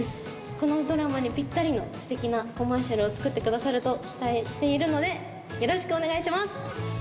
このドラマにぴったりのステキなコマーシャルを作ってくださると期待しているのでよろしくお願いします！